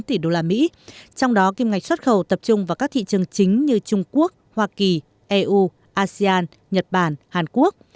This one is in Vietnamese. trong đó kim ngạch xuất khẩu tập trung vào các thị trường chính như trung quốc hoa kỳ eu asean nhật bản hàn quốc